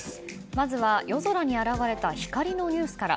まずは夜空に現れた光のニュースから。